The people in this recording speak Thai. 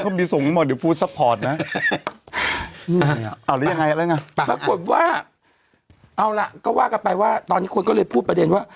คูเป็นว่าเอาล่ะก็ว่ากลับไปว่าตอนนี้ก็เลยพูดประเด็นว่า